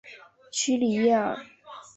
屈里耶尔。